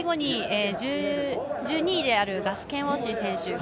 １２位であるガス・ケンワージー選手